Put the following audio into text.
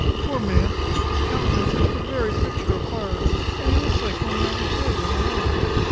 Poor man, his countenance is the very picture of horror, and he looks like one rather dead than alive.